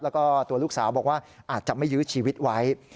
แล้วก็ตัวลูกสาวบอกว่าอาจจะไม่ยื้อชีวิตไว้